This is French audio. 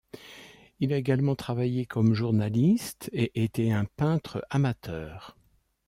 Il a également travaillé comme journaliste et était un peintre amateur.